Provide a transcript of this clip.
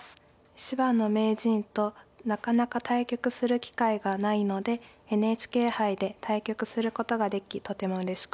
芝野名人となかなか対局する機会がないのでＮＨＫ杯で対局することができとてもうれしく思います。